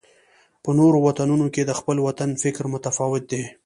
په نورو وطنونو کې د خپل وطن فکر متفاوت دی.